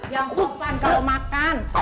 yang sopan kalau makan